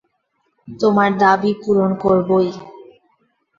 তোমার দাবি পূরণ করবই।